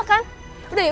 astaga tapi seperti apa